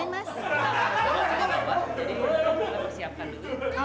kita mau bersiapkan dulu